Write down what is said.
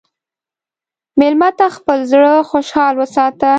مېلمه ته خپل زړه خوشحال وساته.